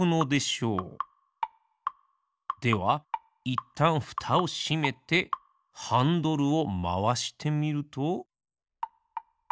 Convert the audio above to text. ではいったんふたをしめてハンドルをまわしてみると。